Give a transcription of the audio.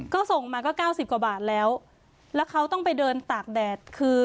ก็ส่งมาก็เก้าสิบกว่าบาทแล้วแล้วเขาต้องไปเดินตากแดดคือ